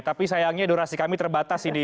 tapi sayangnya durasi kami terbatas ini